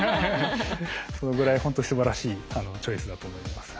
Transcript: そのぐらいほんとすばらしいチョイスだと思います。